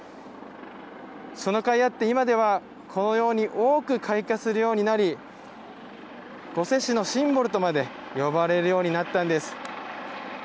そのかいあって今では、このように多く開花するようになり市のシンボルとも呼ばれるようになったんです。